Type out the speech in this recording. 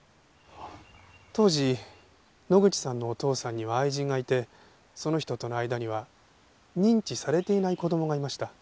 当時野口さんのお父さんには愛人がいてその人との間には認知されていない子供がいました。